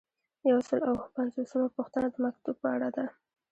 یو سل او اووه پنځوسمه پوښتنه د مکتوب په اړه ده.